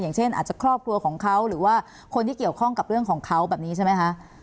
อย่างเช่นอาจจะครอบครัวของเขาหรือว่าคนที่เกี่ยวข้องกับเรื่องของเขาแบบนี้ใช่ไหมคะ